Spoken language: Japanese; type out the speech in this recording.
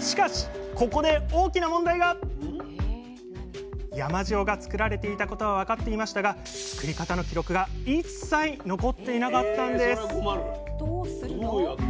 しかしここで山塩がつくられていたことは分かっていましたがつくり方の記録が一切残っていなかったんです！